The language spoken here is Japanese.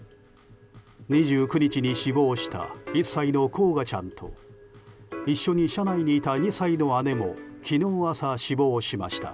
２９日に死亡した１歳の煌翔ちゃんと一緒に車内にいた２歳の姉も昨日朝、死亡しました。